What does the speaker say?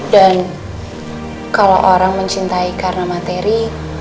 kalau orang mencintai karena materi